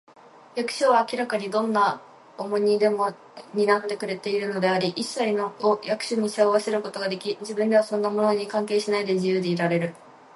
役所は明らかにどんな重荷でも担ってくれているのであり、いっさいを役所に背負わせることができ、自分ではそんなものに関係しないで、自由でいられる